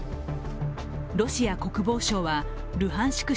ロシア国防省はルハンシク